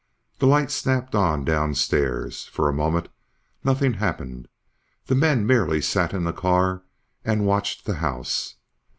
The light snapped on downstairs. For a moment, nothing happened; the men merely sat in the car and watched the house.